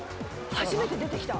初めて出てきた。